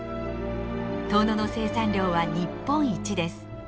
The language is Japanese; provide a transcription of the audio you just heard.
遠野の生産量は日本一です。